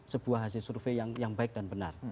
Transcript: sebuah hasil survei yang baik dan benar